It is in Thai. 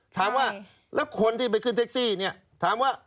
ถามว่าแล้วคนที่ไปขึ้นแท็กซี่เนี่ยถามว่า